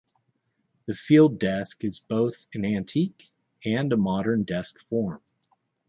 The field desk is both an antique and a modern desk form.